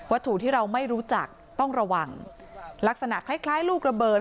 ถูกที่เราไม่รู้จักต้องระวังลักษณะคล้ายคล้ายลูกระเบิด